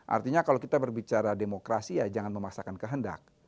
artinya kalau kita berbicara demokrasi ya jangan memaksakan kehendak